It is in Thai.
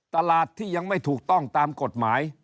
ตลาดที่ยังไม่ถูกต้องตามกฎหมาย